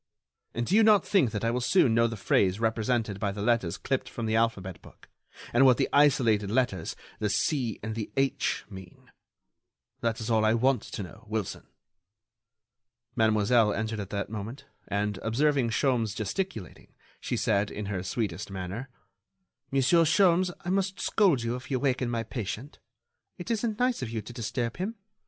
And do you not think that I will soon know the phrase represented by the letters clipped from the alphabet book, and what the isolated letters—the 'C' and the 'H'—mean? That is all I want to know, Wilson." Mademoiselle entered at that moment, and, observing Sholmes gesticulating, she said, in her sweetest manner: "Monsieur Sholmes, I must scold you if you waken my patient. It isn't nice of you to disturb him.